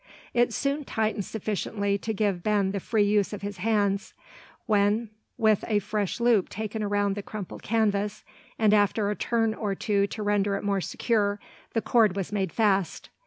It soon tightened sufficiently to give Ben the free use of his hands; when with a fresh loop taken around the crumpled canvas, and after a turn or two to render it more secure, the cord was made fast.